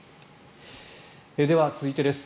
では続いてです。